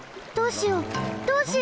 どうしよう！